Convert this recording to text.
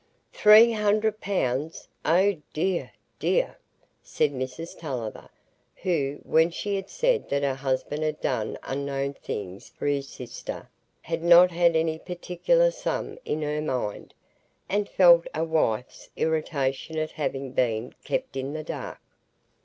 "Three hundred pounds! oh dear, dear," said Mrs Tulliver, who, when she had said that her husband had done "unknown" things for his sister, had not had any particular sum in her mind, and felt a wife's irritation at having been kept in the dark.